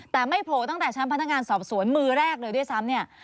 แต่ไม่โผล่ตั้งแต่ชั้นพนักงานสอบสวนมือแรกเลยด้วยซ้ำเนี่ย